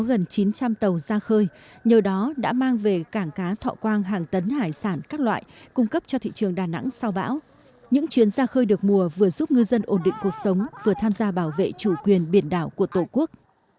tại âu thuyền và cảng cá thọ quang các xưởng đá xuống vừa tham gia bảo vệ chủ quyền biển đảo của tổ quốc